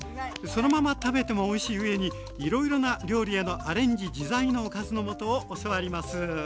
そのまま食べてもおいしいうえにいろいろな料理へのアレンジ自在の「おかずの素」を教わります。